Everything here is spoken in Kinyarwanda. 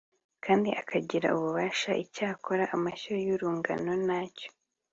kandi akagira ububasha Icyakora amoshya y urungano nta cyo